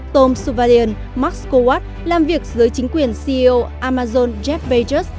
tom surveillance mark scott làm việc dưới chính quyền ceo amazon jeff bezos